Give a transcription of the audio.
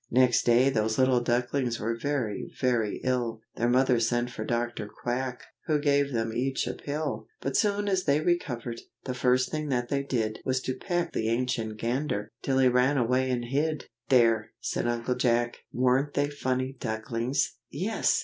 Next day those little ducklings were very, very ill, Their mother sent for Dr. Quack, who gave them each a pill, But soon as they recovered, the first thing that they did Was to peck the Ancient Gander, till he ran away and hid. "There!" said Uncle Jack, "weren't they funny ducklings?" "Yes!"